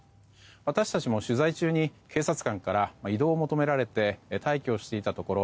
私たちも取材中に警察官から移動を求められて待機をしていたところ